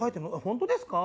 本当ですか？」